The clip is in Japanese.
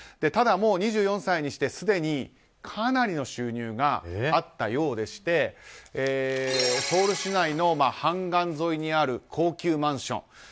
ただ、２４歳にしてすでにかなりの収入があったようでしてソウル市内のハンガン沿いにある高級マンション。